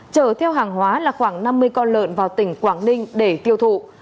chở theo hàng hóa là khoảng năm mươi con lợn vào tỉnh quảng ninh để tiêu thụ